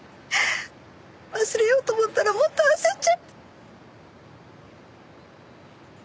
忘れようと思ったらもっと焦っちゃって。